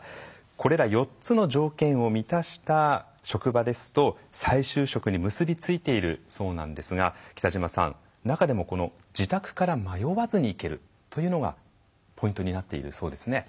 これら４つの条件を満たした職場ですと再就職に結び付いているそうなんですが来島さん中でも自宅から迷わずに行けるというのがポイントになっているそうですね。